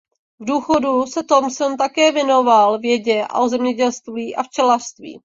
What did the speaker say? V důchodu se Thomson také věnoval vědě o zemědělství a včelařství.